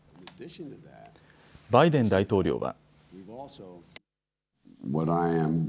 バイデン大統領は。